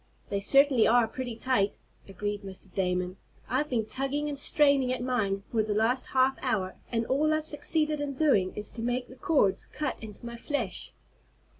"They certainly are pretty tight," agreed Mr. Damon. "I've been tugging and straining at mine for the last half hour, and all I've succeeded in doing is to make the cords cut into my flesh."